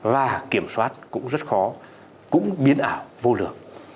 và kiểm soát cũng rất khó cũng biến ảo vô lược